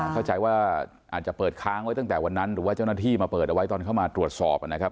เข้าใจว่าอาจจะเปิดค้างไว้ตั้งแต่วันนั้นหรือว่าเจ้าหน้าที่มาเปิดเอาไว้ตอนเข้ามาตรวจสอบนะครับ